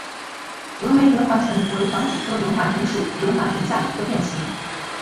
峨眉轮环藤为防己科轮环藤属轮环藤下的一个变型。